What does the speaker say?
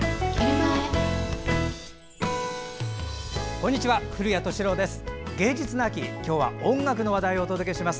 こんにちは古谷敏郎です。